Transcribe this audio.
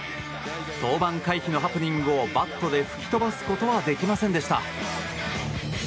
登板回避のハプニングをバットで吹き飛ばすことはできませんでした。